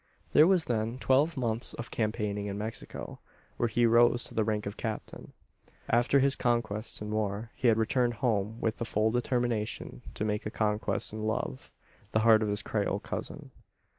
There was then twelve months of campaigning in Mexico; where he rose to the rank of captain; and, after his conquests in war, he had returned home with the full determination to make a conquest in love the heart of his Creole cousin.